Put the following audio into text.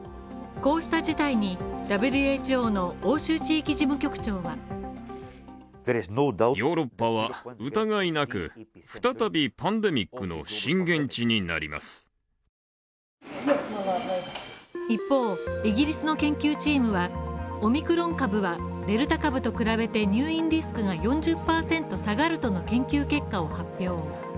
こうした事態にＷＨＯの欧州地域事務局長は一方、イギリスの研究チームはオミクロン株はデルタ株と比べて入院リスクが４０％下がるとの研究結果を発表。